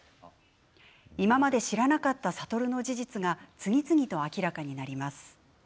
今まで知らなかった悟の事実が次々と明らかになります。